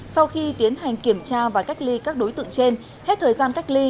sau khi tiến hành kiểm tra và cách ly các đối tượng trên hết thời gian cách ly